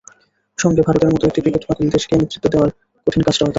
সঙ্গে ভারতের মতো একটি ক্রিকেট পাগল দেশকে নেতৃত্ব দেওয়ার কঠিন কাজটাও তাঁর।